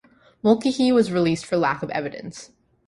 Mulcahy was released for lack of evidence.